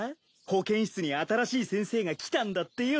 保健室に新しい先生が来たんだってよ。